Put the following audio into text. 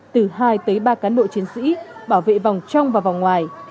từ hai tới ba cán bộ chiến sĩ bảo vệ vòng trong và vòng ngoài